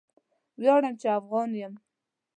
ویاړم چې افغان یم.